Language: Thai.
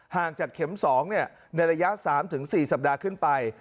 ห่างจากเข็ม๒ในระยะ๓๔สัปดาห์ขึ้นไป